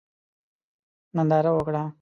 ننداره وکړه.